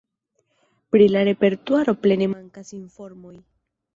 Pri la repertuaro plene mankas informoj.